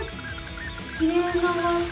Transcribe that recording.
きれいな場しょ！